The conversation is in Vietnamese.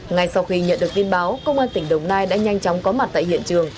ngay sau khi nhận được tin báo công an tỉnh đồng nai đã nhanh chóng có mặt tại hiện trường